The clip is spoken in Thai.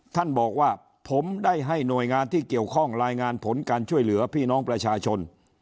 ท่านบอกว่าผมได้ให้หน่วยงานที่เกี่ยวข้องรายงานผลการช่วยเหลือพี่น้องประชาชน